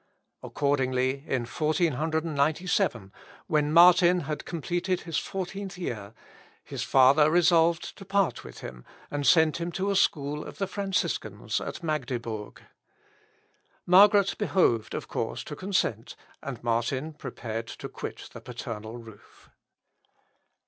Accordingly, in 1497, when Martin had completed his fourteenth year, his father resolved to part with him, and send him to a school of the Franciscans at Magdebourg. Margaret behoved, of course, to consent, and Martin prepared to quit the paternal roof.